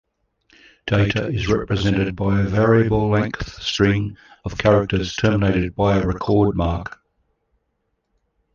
Data is represented by a variable-length string of characters terminated by a Record mark.